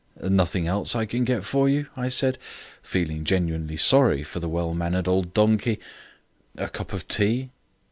"Nothing else I can get for you?" I said, feeling genuinely sorry for the well mannered old donkey. "A cup of tea?"